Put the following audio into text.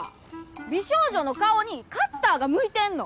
美少女の顔にカッターが向いてんの！